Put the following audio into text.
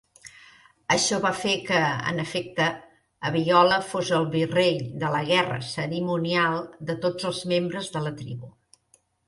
Això va fer que, en efecte, Abiola fos el virrei de la Guerra cerimonial de tots els membres de la tribu.